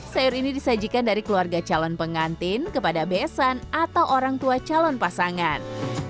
sayur ini disajikan dari keluarga calon pengantin kepada besan atau orang tua calon pasangan